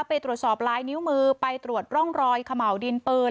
ไปตรวจสอบลายนิ้วมือไปตรวจร่องรอยเขม่าวดินปืน